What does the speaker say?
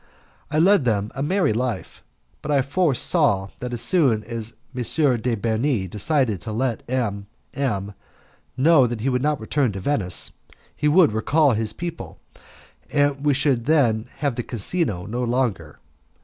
I led them a merry life, but I foresaw that as soon as M. de Bernis decided to let M M know that he would not return to Venice, he would recall his people, and we should then have the casino no longer.